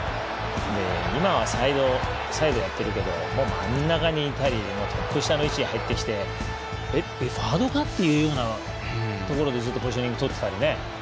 今はサイドやってるけど真ん中にいたりトップ下の位置に入ってきてフォワードか？というところでずっとポジショニングをとってたりね。